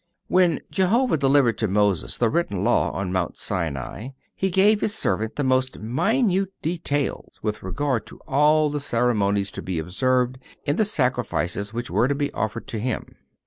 (391) When Jehovah delivered to Moses the written law on Mount Sinai He gave His servant the most minute details with regard to all the ceremonies to be observed in the sacrifices which were to be offered to Him.